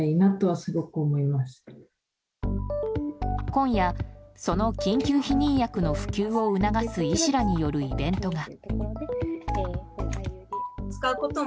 今夜、その緊急避妊薬の普及を促す医師らによるイベントが。